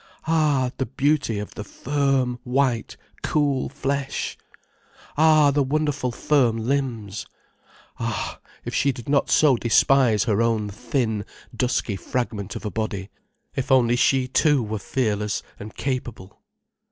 Ah, the beauty of the firm, white, cool flesh! Ah, the wonderful firm limbs. Ah, if she did not so despise her own thin, dusky fragment of a body, if only she too were fearless and capable.